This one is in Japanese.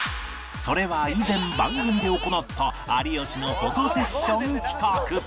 それは以前番組で行った有吉のフォトセッション企画